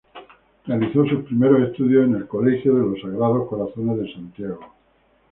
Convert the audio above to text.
Realizó sus primeros estudios en el Colegio de los Sagrados Corazones de Santiago.